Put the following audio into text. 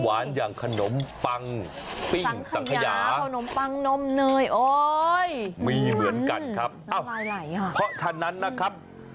อุ๊ยนี่ขนมก็มีสังขยาขนมปังนมเนยโอ๊ยมีเหมือนกันครับอ้าวเพราะฉะนั้นนะครับ